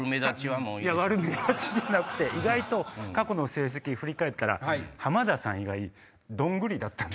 悪目立ちじゃなくて過去の成績振り返ったら浜田さん以外どんぐりだった。